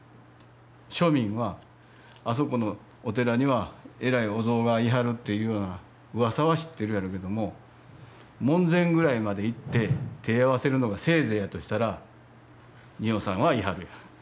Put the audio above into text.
庶民はあそこのお寺には偉いお像がいはるっていうようなうわさは知ってるやろうけども門前ぐらいまで行って手合わせるのがせいぜいやとしたら仁王さんはいはるやん。